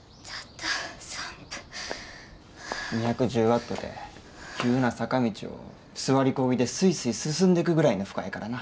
２１０ワットて急な坂道を座りこぎでスイスイ進んでくぐらいの負荷やからな。